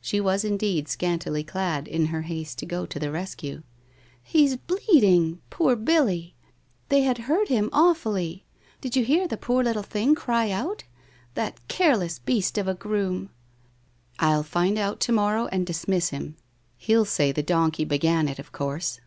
She was indeed scantily clad in her haste to go to the rescue. ' He's bleeding, poor Billy ! They had hurt him awfully. Did you hear the poor little thing cry out? That care I beast of a groom ?' 1 I'll find out to morrow and dismiss him. He'll say the donkey began it, of course.'